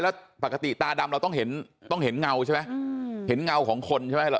แล้วปกติตาดำเราต้องเห็นต้องเห็นเงาใช่ไหมเห็นเงาของคนใช่ไหมหรอ